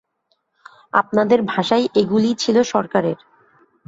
আপনাদের ভাষায় এগুলি ছিল সরকারের।